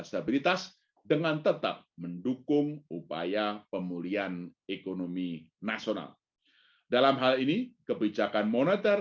stabilitas dengan tetap mendukung upaya pemulihan ekonomi nasional dalam hal ini kebijakan moneter